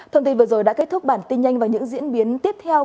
thông tin vừa rồi đã kết thúc bản tin nhanh và những diễn biến tiếp theo